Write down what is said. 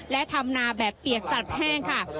และทำนาแบบเปียกสัตว์แห้งค่ะ